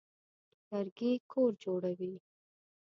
لرګي کور جوړوي.